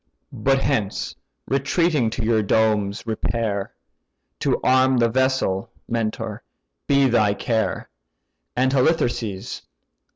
But hence retreating to your domes repair. To arm the vessel, Mentor! be thy care, And Halitherses!